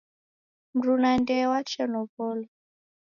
Mruna ndee wachelow'olwa.